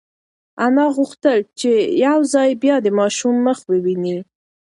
انا غوښتل چې یو ځل بیا د ماشوم مخ وویني.